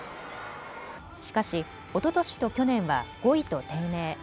しかし、おととしと去年は５位と低迷。